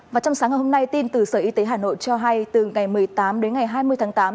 và trong sáng ngày hôm nay tin từ sở y tế hà nội cho hay từ ngày một mươi tám đến ngày hai mươi tháng tám